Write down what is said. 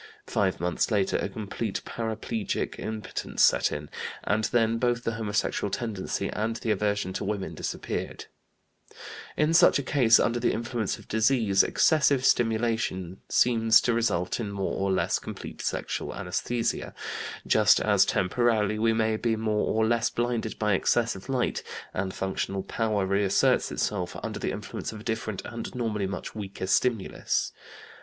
Five months later a complete paraplegic impotence set in; and then both the homosexual tendency and the aversion to women disappeared. (Féré, L'Instinct Sexuel, p. 184.) In such a case, under the influence of disease, excessive stimulation seems to result in more or less complete sexual anesthesia, just as temporarily we may be more or less blinded by excess of light; and functional power reasserts itself under the influence of a different and normally much weaker stimulus.